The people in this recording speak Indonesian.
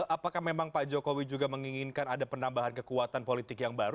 apakah memang pak jokowi juga menginginkan ada penambahan kekuatan politik yang baru